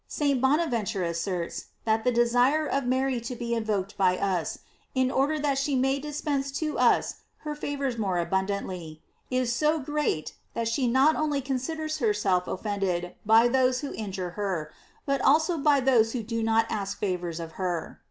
* St. Bonaventure asserts that the desire of Mary to be invoked by us, in order that she may dis pense to us her favors more abundantly, is so great, that she not only considers herself offend ed by those who injure her, but also by those who do not ask favors of her.